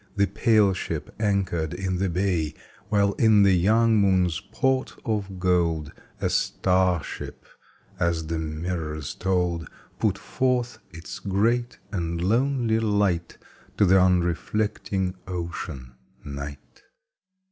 The pale ship anchored in the bay, While in the young moon's port of gold A star ship — as the mirrors told — Put forth its great and lonely light To the unreflecting Ocean, Night.